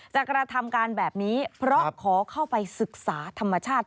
กระทำการแบบนี้เพราะขอเข้าไปศึกษาธรรมชาติ